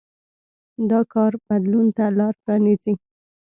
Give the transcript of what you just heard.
دا کار بدلون ته لار پرانېزي.